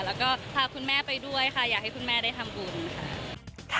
แล้วก็พาคุณแม่ไปด้วยค่ะอยากให้คุณแม่ได้ทำบุญค่ะ